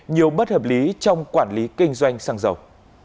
nhiều bất hợp lý trong quản lý kinh doanh xăng dầu